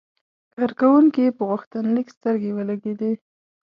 کارکونکي په غوښتنلیک سترګې ولګېدې.